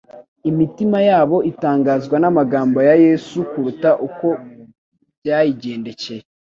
Imitima yabo itangazwa n'amagambo ya Yesu kuruta uko byayigendekeye